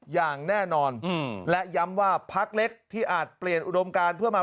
อย่างแน่นอนและย้ำว่าพักเล็กที่อาจเปลี่ยนอุดมการเพื่อมา